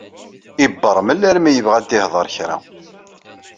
Yebbeṛmel armi yebɣa ad d-ihder kra.